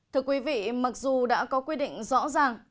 thưa quý vị mặc dù đã có quy định rõ ràng